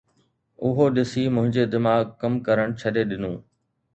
اهو ڏسي منهنجي دماغ ڪم ڪرڻ ڇڏي ڏنو